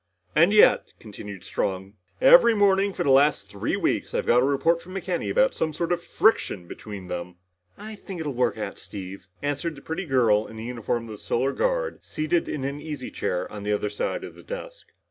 " And yet," continued Strong, "every morning for the last three weeks I've got a report from McKenny about some sort of friction between them!" "I think it'll work out, Steve," answered the pretty girl in the uniform of the Solar Guard, seated in an easy chair on the other side of the desk.